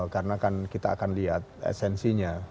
karena kan kita akan lihat esensinya